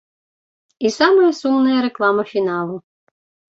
І самая сумная рэклама фіналу.